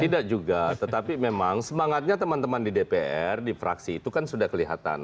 tidak juga tetapi memang semangatnya teman teman di dpr di fraksi itu kan sudah kelihatan